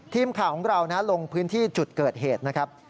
ทีมข่าวของเราลงพื้นที่จุดเกิดเหตุนะครับ